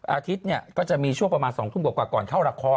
อาทิตย์เนี่ยก็จะมีช่วงประมาณ๒ทุ่มกว่าก่อนเข้าละคร